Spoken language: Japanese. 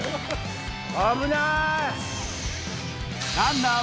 危ない！